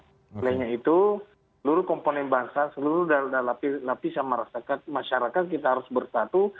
selainnya itu seluruh komponen bangsa seluruh lapisan masyarakat kita harus bersatu